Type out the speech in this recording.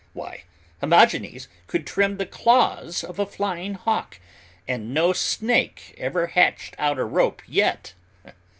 Why, Hermogenes could trim the claws of a flying hawk, and no snake ever hatched out a rope yet!